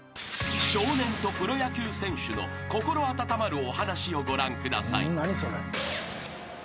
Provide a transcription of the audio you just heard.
［少年とプロ野球選手の心温まるお話をご覧ください］